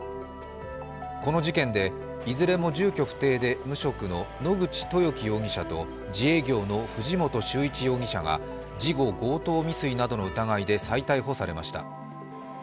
この事件でいずれも住居不定で無職の野口豊樹容疑者と自営業の藤本宗一容疑者が事後強盗未遂などの疑いで再逮捕されました。